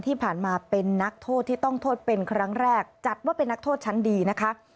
ที่ผ่านมาเป็นนักโทษที่ต้องโทษเป็นครั้งแรกจัดว่าเป็นนักโทษชั้นดีนะคะ